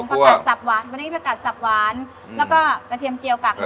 คั่วคั่วประกาศสับหวานประกาศสับหวานแล้วก็กระเทียมเจียวกากหมูค่ะ